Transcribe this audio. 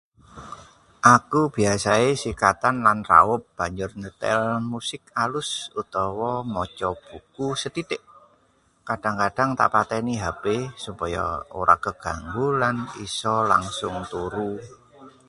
Aku biasane sikatan lan raup, banjur nyetel musik alus utawa maca buku sethithik. Kadhang-kadhang tak pateni HP supaya ora keganggu lan iso langsung turu.